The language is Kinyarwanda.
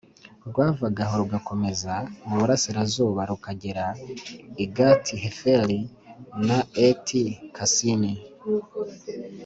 Rwavaga aho rugakomeza mu burasirazuba rukagera i Gati Heferi b na Eti Kasini